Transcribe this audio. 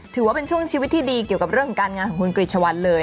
ถือว่าเป็นช่วงชีวิตที่ดีเกี่ยวกับเรื่องของการงานของคุณกริจชวัลเลย